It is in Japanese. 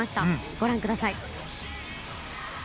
ご覧ください。